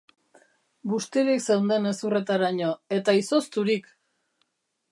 Bustirik zeunden hezurretaraino, eta izozturik!